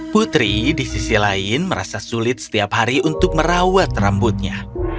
putri di sisi lain merasa sulit setiap hari untuk merawat rambutnya